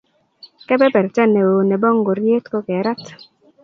Kepeperta ne o nebo ngoriet ko kerat